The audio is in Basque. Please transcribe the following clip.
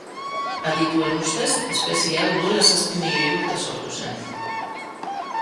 Adituen ustez espezie hau duela zazpi milioi urte sortu zen.